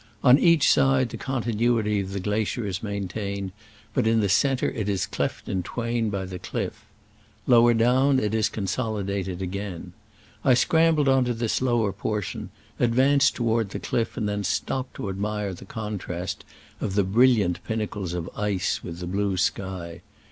On each side the continuity of the gla cier is maintained, but in the centre it is cleft in twain by the cliff. Lowe' down it is consolidated again. I scram bled on to this lower portion, advanced toward the cliff, and then stopped to admire the contrast of the brilliant pin nacles of ice with the blue sky.